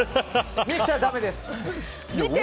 見ちゃだめです。